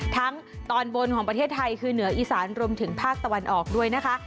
ตอนบนของประเทศไทยคือเหนืออีสานรวมถึงภาคตะวันออกด้วยนะคะ